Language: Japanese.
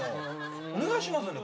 お願いしますね